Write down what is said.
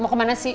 mau ke mana sih